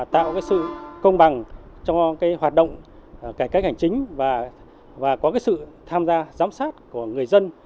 đạo cái sự công bằng cho cái hoạt động cải cách hành chính và có cái sự tham gia giám sát của người dân